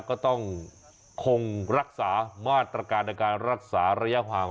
ก็ต้องคงรักษามาตรการในการรักษาระยะห่าง